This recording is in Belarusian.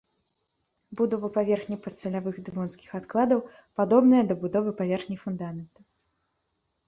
Будова паверхні падсалявых дэвонскіх адкладаў падобная да будовы паверхні фундамента.